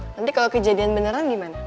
nanti kalau kejadian beneran gimana